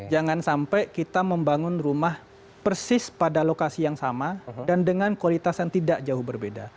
jangan sampai kita membangun rumah persis pada lokasi yang sama dan dengan kualitas yang tidak jauh berbeda